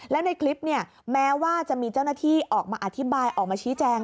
แล้วในคลิปเนี่ยแม้ว่าจะมีเจ้าหน้าที่ออกมาอธิบายออกมาชี้แจง